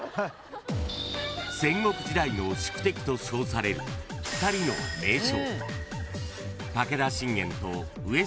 ［戦国時代の宿敵と称される２人の名将］